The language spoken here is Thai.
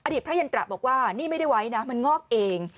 พระยันตระบอกว่านี่ไม่ได้ไว้นะมันงอกเอง